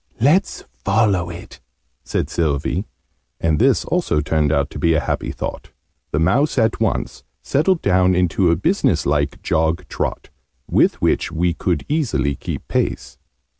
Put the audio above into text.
"Let's follow it," said Sylvie: and this also turned out a happy thought. The mouse at once settled down into a business like jog trot, with which we could easily keep pace.